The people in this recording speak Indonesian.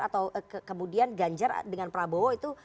atau kemudian ganjar dengan prabowo itu